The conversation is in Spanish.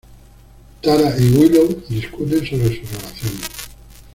Tara y Willow discuten sobre su relación.